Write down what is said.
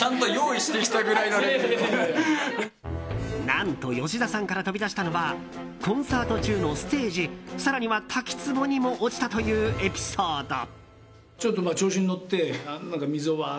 何と吉田さんから飛び出したのはコンサート中のステージ更には滝つぼにも落ちたというエピソード。